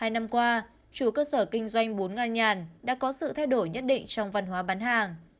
hai năm qua chủ cơ sở kinh doanh bún nga nhàn đã có sự thay đổi nhất định trong văn hóa bán hàng